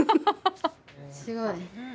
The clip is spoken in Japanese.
すごい。